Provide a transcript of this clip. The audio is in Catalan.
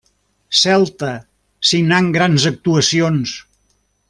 Celta, signant grans actuacions.